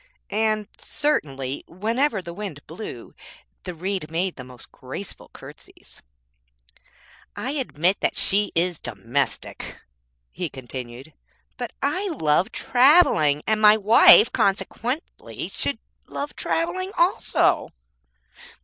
And certainly, whenever the wind blew, the Reed made the most graceful curtsies. I admit that she is domestic,' he continued, 'but I love travelling, and my wife, consequently, should love travelling also.'